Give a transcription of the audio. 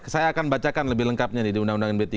saya akan bacakan lebih lengkapnya nih di undang undang md tiga